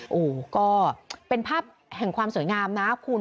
โอ้โหก็เป็นภาพแห่งความสวยงามนะคุณ